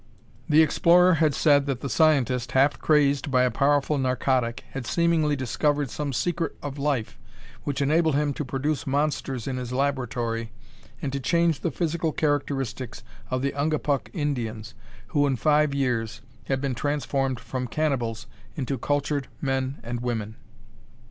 The explorer had said that the scientist, half crazed by a powerful narcotic, had seemingly discovered some secret of life which enabled him to produce monsters in his laboratory and to change the physical characteristics of the Ungapuk Indians, who, in five years, had been transformed from cannibals into cultured men and women.